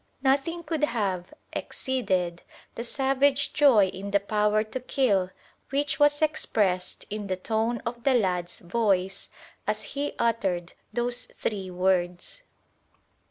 Nothing could have exceeded the savage joy in the power to kill which was expressed in the tone of the lad's voice as he uttered those three words.